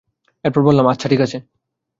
এরপর, বললাম, আচ্ছা ঠিক আছে।